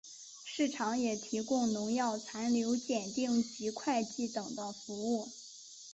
市场也提供农药残留检定及会计等的服务。